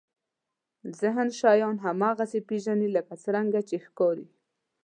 ذهن شیان هماغسې پېژني لکه څرنګه چې ښکاري.